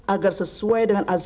agar sesuai dengan azam